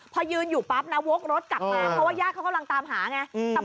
พอยืนอยู่ปั๊บนะวกรถกลับมาเพราะว่าญาติเขากำลังตามหาไง